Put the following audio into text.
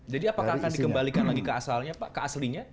jadi apakah akan dikembalikan lagi ke aslinya